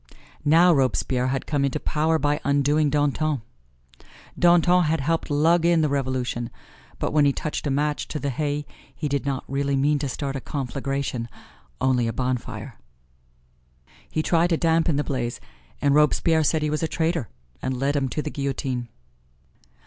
Now, Robespierre had come into power by undoing Danton. Danton had helped lug in the Revolution, but when he touched a match to the hay he did not really mean to start a conflagration, only a bonfire. He tried to dampen the blaze, and Robespierre said he was a traitor and led him to the guillotine.